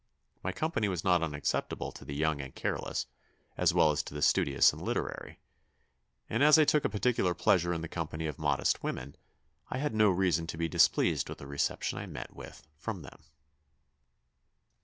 My company was not unacceptable to the young and careless, as well as to the studious and literary; and as I took a particular pleasure in the company of modest women, I had no reason to be displeased with the reception I met with from them."